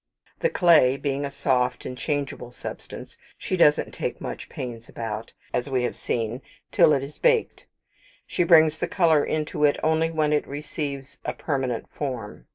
The clay, being a soft and changeable substance, she doesn't take much pains about, as we have seen, till it is baked; she brings the colour into it only when it receives a permanent form.